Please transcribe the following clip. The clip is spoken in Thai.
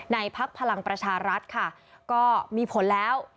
พักพลังประชารัฐค่ะก็มีผลแล้ว